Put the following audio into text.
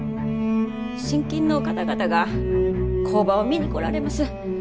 信金の方々が工場を見に来られます。